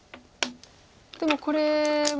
でもこれも。